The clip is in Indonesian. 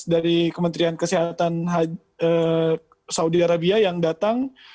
dari kementerian kesehatan saudi arabia yang datang